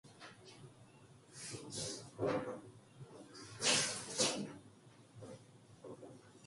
누가 빼앗을듯이 처박질하더니만 그날 저녁부터 가슴이 땡긴다